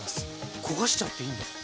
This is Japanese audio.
焦がしちゃっていいんですか？